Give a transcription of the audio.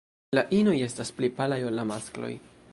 La inoj estas pli palaj ol la maskloj.